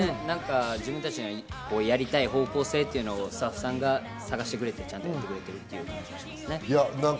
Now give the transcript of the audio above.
自分たちのやりたい方向性というのをスタッフさんが探してくれて、ちゃんとやってくれているというか。